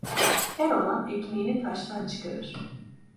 Er olan ekmeğini taştan çıkarır.